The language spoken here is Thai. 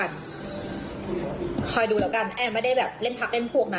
อันไม่ได้แบบเล่นพรรคเล่นพวกนะ